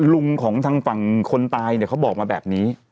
ลุงของทางฝั่งคนตายเนี่ยเขาบอกมาแบบนี้